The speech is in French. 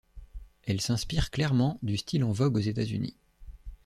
Elle s'inspire clairement du style en vogue aux États-Unis.